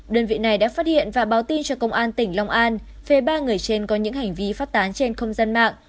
đơn vị này đã phát hiện và báo tin cho công an tỉnh long an về ba người trên có những hành vi phát tán trên không gian mạng